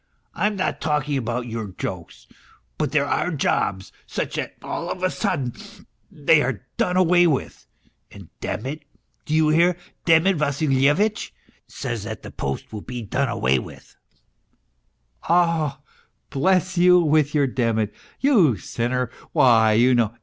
I am not talking about your jokes; but there are jobs such that all of a sudden they are done away with. And Demid do you hear ? Dernid Vassilyevitch says that the post will be done away with. ..." MR. PROHARTCHIX 279 " Ah, bless you, with your Demid 1 You sinner, vrhy, you know.